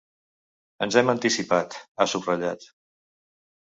Ens hem anticipat, ha subratllat.